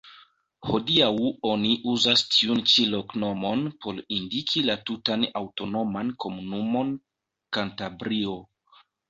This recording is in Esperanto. Hodiaŭ oni uzas tiun ĉi loknomon por indiki la tutan aŭtonoman komunumon Kantabrio.